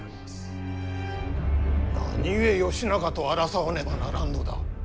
何故義仲と争わねばならんのだ。